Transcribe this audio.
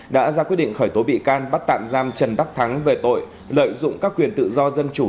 đã ra quyết định khởi tố bị can bắt tạm giam trần đắc thắng về tội lợi dụng các quyền tự do dân chủ